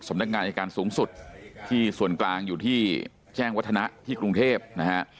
นักงานอายการสูงสุดที่ส่วนกลางอยู่ที่แจ้งวัฒนะที่กรุงเทพนะฮะ